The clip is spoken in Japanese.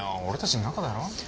俺たちの仲だろ。